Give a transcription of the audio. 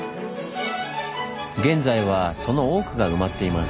現在はその多くが埋まっています。